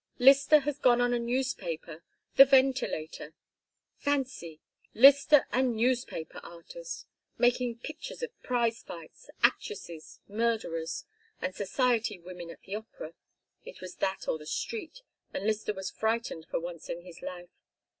"Lyster has gone on a newspaper the Ventilator. Fancy Lyster a newspaper artist making pictures of prize fights, actresses, murderers, and society women at the opera. It was that or the street, and Lyster was frightened for once in his life.